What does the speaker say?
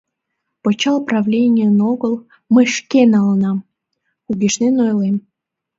Пычал правленийын огыл, мый шке налынам! — кугешнен ойлем.